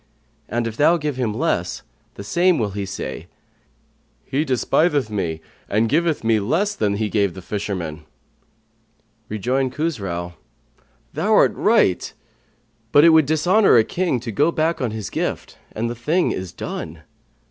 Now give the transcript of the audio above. And if thou give him less, the same will say, He despiseth me and giveth me less than he gave the fisherman.'" Rejoined Khusrau, "Thou art right, but it would dishonour a king to go back on his gift; and the thing is done."